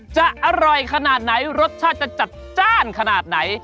จะอร่อยขนาดไหนรสชาติจะจัดจ้านขนาดไหน